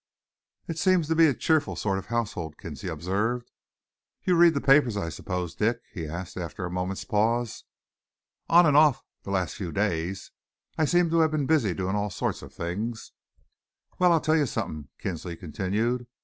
"It seems to be a cheerful sort of household," Kinsley observed. "You read the papers, I suppose, Dick?" he asked, after a moment's pause. "On and off, the last few days. I seem to have been busy doing all sorts of things." "Well, I'll tell you something," Kinsley continued.